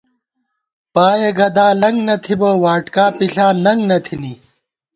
پائے گدا لنگ نہ تھِبہ ، واڈکا پِݪا ننگ نہ تھنی